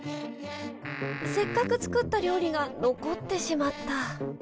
せっかく作った料理が残ってしまった。